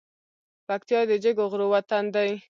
پکتيا د جګو غرو وطن دی